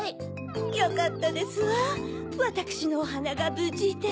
よかったですわわたくしのおはながぶじで。